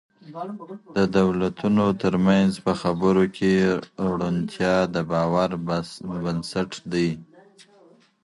د دولتونو ترمنځ په خبرو کي روڼتیا د باور بنسټ دی.